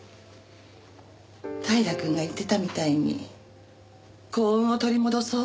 平くんが言ってたみたいに幸運を取り戻そうって。